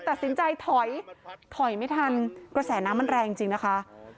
ตัดสินใจถอยถอยไม่ทันกระแสน้ำมันแรงจริงนะคะ